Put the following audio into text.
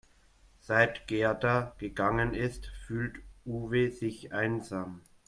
Seit Gerda gegangen ist, fühlt Uwe sich einsam.